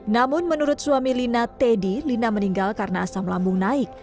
namun menurut suami lina teddy lina meninggal karena asam lambung naik